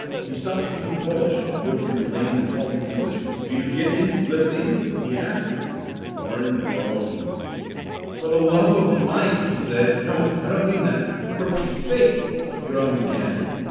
He stopped speaking Polish, and broke into lame and halting English. "Do you get me, Lissee!" he asked. Warren groaned. "For the love of Mike!" he said. "No, I don't mean that! For Pete's sake " He groaned again.